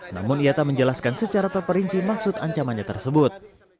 namun ia tak menjelaskan secara terperinci maksud ancamannya tersebut